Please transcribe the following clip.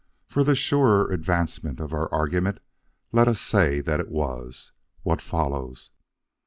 For the surer advancement of our argument, let us say that it was. What follows?